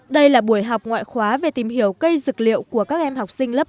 đây là buổi học ngoại khóa về tìm hiểu cây dược liệu của các em học sinh lớp một